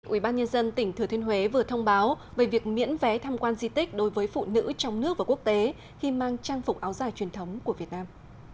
ủy ban nhân dân tỉnh thừa thiên huế vừa thông báo về việc miễn vé tham quan di tích đối với phụ nữ trong nước và quốc tế khi mang trang phục áo dài truyền thống của việt nam